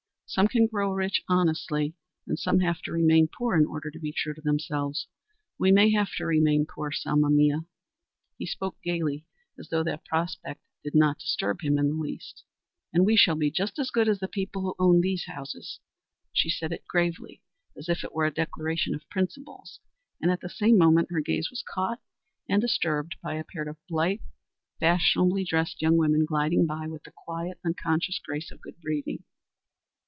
Some can grow rich honestly, and some have to remain poor in order to be true to themselves. We may have to remain poor, Selma mia." He spoke gayly, as though that prospect did not disturb him in the least. "And we shall be just as good as the people who own these houses." She said it gravely, as if it were a declaration of principles, and at the same moment her gaze was caught and disturbed by a pair of blithe, fashionably dressed young women gliding by her with the quiet, unconscious grace of good breeding.